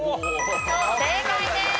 正解です。